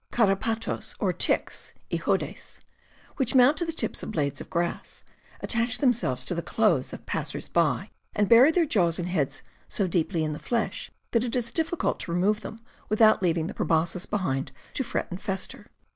(6) Carapdtos, or ticks {Ixodes), which mount to the tips of blades of grass, attach themselves to the clothes of passers by, and bury their jaws and heads so deeply in the flesh that it is difficult to remove them without leaving the proboscis behind to fret and fester.